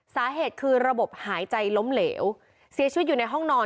สาเหตุคือระบบหายใจล้มเหลวเสียชีวิตอยู่ในห้องนอน